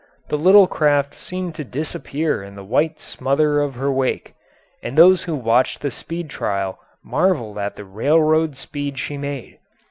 The little craft seemed to disappear in the white smother of her wake, and those who watched the speed trial marvelled at the railroad speed she made.